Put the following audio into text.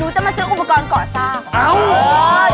จะมาซื้ออุปกรณ์ก่อสร้าง